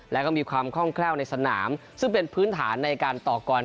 แล้วก็มีความคล่องแคล่วในสนามซึ่งเป็นพื้นฐานในการต่อกร